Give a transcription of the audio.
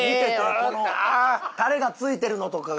このタレが付いてるのとかが。